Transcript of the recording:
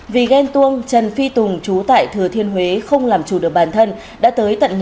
vì ghen tuông trần phi tùng trú tại thừa thiên huế không làm chủ được bản thân đã tới tận nhà